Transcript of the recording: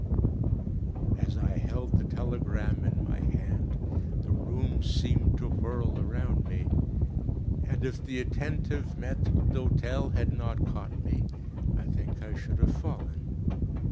As I held the telegram in my hand, the room seemed to whirl around me; and, if the attentive maître d'hĂ´tel had not caught me, I think I should have fallen.